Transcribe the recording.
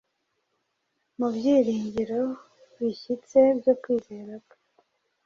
Mu byiringiro bishyitse byo kwizera kwe,